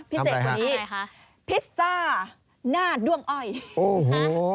พิเศษกว่านี้พิซซ่าหน้าด้วงอ้อยโอ้โห